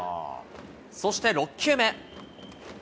そして６球目。